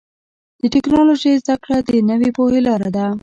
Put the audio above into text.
د ټکنالوجۍ زدهکړه د نوې پوهې لاره ده.